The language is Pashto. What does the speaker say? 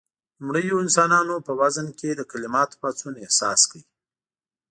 لومړيو انسانانو په وزن کې د کليماتو پاڅون احساس کړ.